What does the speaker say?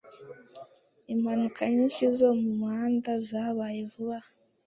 Impanuka nyinshi zo mumuhanda zabaye vuba aha.